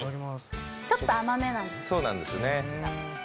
ちょっと甘めなんです。